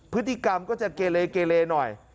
พฤติกรรมก็จะเกเลเกเลหน่อย